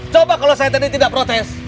coba kalau saya tadi tidak protes